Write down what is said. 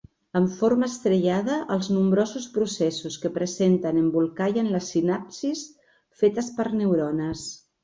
Amb forma estrellada, els nombrosos processos que presenten embolcallen les sinapsis fetes per neurones.